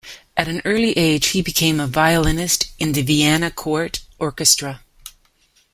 At an early age he became a violinist in the Vienna court orchestra.